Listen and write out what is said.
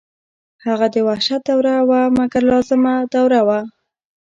هغه د وحشت دوره وه مګر لازمه دوره وه.